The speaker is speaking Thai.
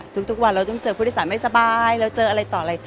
ทุกวันเราต้องเจอผู้โดยสารไม่สบายเราเจออะไรต่ออะไร